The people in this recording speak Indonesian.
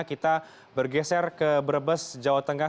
kita bergeser ke brebes jawa tengah